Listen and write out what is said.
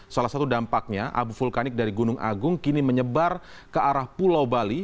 salah satu dampaknya abu vulkanik dari gunung agung kini menyebar ke arah pulau bali